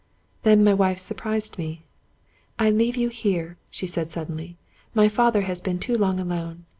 Then my wife surprised me. " I leave you here," she said suddenly. " My father has been too long alone.